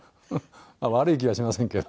悪い気はしませんけど。